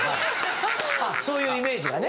そういうイメージがね。